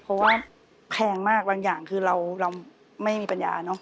เพราะว่าแพงมากบางอย่างคือเราไม่มีปัญญาเนอะ